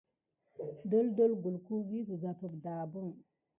Doldol kulku vi kegampe dabin.